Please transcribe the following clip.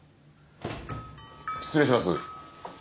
失礼します。